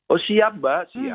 oh siap mbak siap